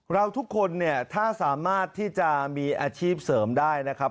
เราทุกคนเนี่ยถ้าสามารถที่จะมีอาชีพเสริมได้นะครับ